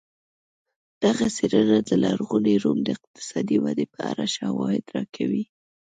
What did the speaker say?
دغه څېړنه د لرغوني روم د اقتصادي ودې په اړه شواهد راکوي